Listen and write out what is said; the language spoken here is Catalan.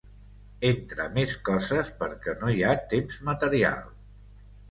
Entre més coses, perquè no hi ha temps material.